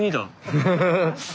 フフフッ。